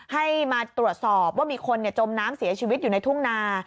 ให้มาตรวจสอบว่ามีคนจมน้ำเสียชีวิตอยู่ในทุ่งนา